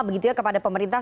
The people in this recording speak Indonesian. begitu ya kepada pemerintah